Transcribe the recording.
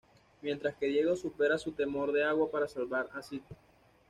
Mientras que Diego supera su temor de agua para salvar a Sid.